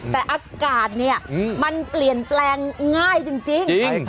แต่อากาศเนี่ยมันเปลี่ยนแปลงง่ายจริง